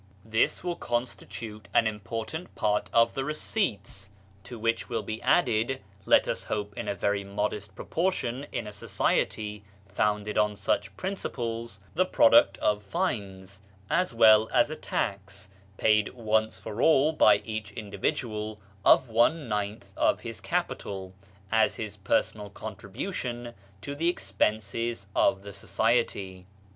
This will constitute an important part of the receipts, to which will be added— let us hope in a very modest proportion in a society founded on such principles— the product of fines, as well as a tax, paid once for all by each in dividual, of one ninth of his capital, as his personal contribution to the expenses of the society.